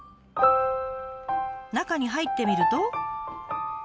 中に入ってみると。